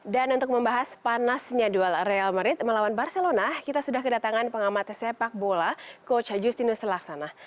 dan untuk membahas panasnya dual real madrid melawan barcelona kita sudah kedatangan pengamatan sepak bola coach justinus laksana